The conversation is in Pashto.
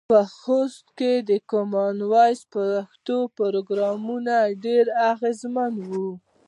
په خوست کې د کامن وایس پښتو پروګرام ډیر اغیزمن و.